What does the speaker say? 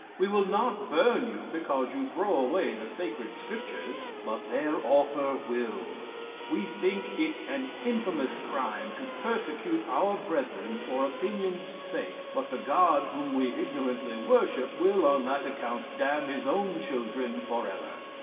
We will not burn you because you throw away the sacred scriptures; but their Author will," "We think it an infamous crime to persecute our brethren for opinion's sake; but the God whom we ignorantly worship will on that account damn his own children forever."